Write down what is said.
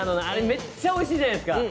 あれめっちゃおいしいじゃないですか。